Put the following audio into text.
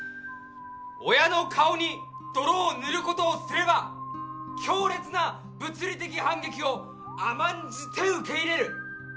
親の顔に泥を塗ることをすれば強烈な物理的反撃を甘んじて受け入れる。